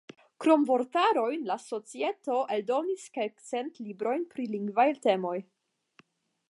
Krom vortarojn la societo eldonis kelkcent librojn pri lingvaj temoj.